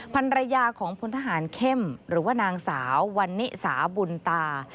ภรรยาของพลทหารเข้มหรือว่านางสาววันนิสาบุญตา